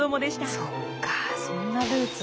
そっかそんなルーツが。